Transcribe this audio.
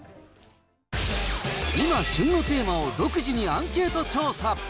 今、旬のテーマを独自にアンケート調査。